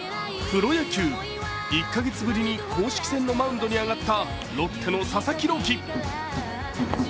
プロ野球、１カ月ぶりに公式戦のマウンドに上がったロッテの佐々木朗希。